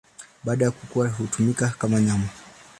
Baada ya kukua hutumika kama nyama.